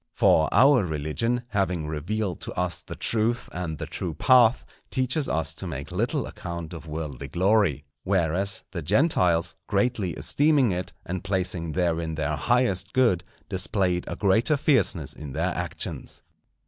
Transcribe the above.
For our religion, having revealed to us the truth and the true path, teaches us to make little account of worldly glory; whereas, the Gentiles, greatly esteeming it, and placing therein their highest good, displayed a greater fierceness in their actions.